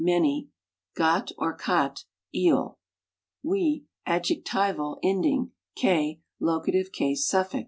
iaHy; gat Or kat, eel; wi, adjectival ending; k, locative case suffix.